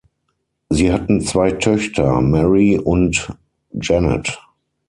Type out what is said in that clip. Sie hatten zwei Töchter, Mary und Janet.